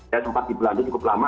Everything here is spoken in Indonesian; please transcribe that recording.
ya tempat di belanda cukup lama